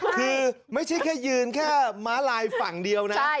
คือไม่ใช่แค่ยืนแค่ม้าลายฝั่งเดียวนะ